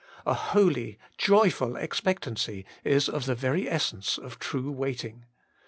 A holy, joyful expectancy is of the very essence of true waiting.